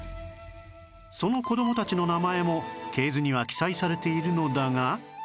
その子どもたちの名前も系図には記載されているのだが